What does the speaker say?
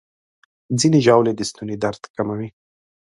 ځینې ژاولې د ستوني درد کموي.